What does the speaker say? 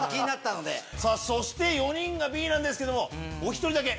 そして４人がＢなんですけどもお１人だけＡ。